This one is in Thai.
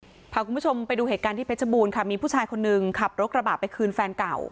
คุณผู้ชมพาคุณผู้ชมไปดูเหตุการณ์ที่เพชรบูรณ์ค่ะมีผู้ชายคนหนึ่งขับรถกระบะไปคืนแฟนเก่า